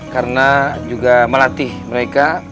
karena juga melatih mereka